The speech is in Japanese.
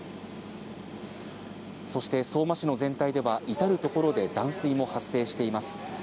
そして、相馬市の全体では至る所で断水も発生しています。